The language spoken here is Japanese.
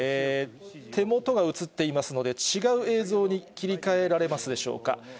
手元が映っていますので、違う映像に切り替えられますでしょうか。